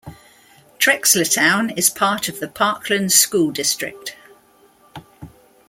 Trexlertown is part of the Parkland School District.